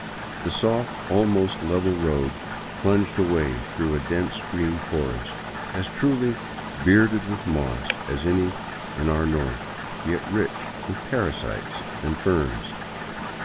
The soft, almost level road plunged away through a dense green forest, as truly " bearded with moss " as any in our North, yet rich with parasites and ferns.